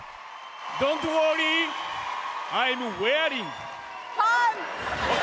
ドントウォーリー・アイムウェアリング。